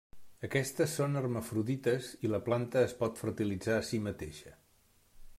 Aquestes són hermafrodites, i la planta es pot fertilitzar a si mateixa.